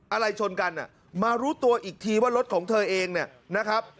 อะไรชนกันมารู้ตัวอีกทีว่ารถของเธอเองเนี่ยนะครับ